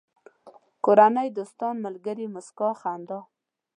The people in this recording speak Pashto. کورنۍ، دوستان، ملگري، موسکا، خندا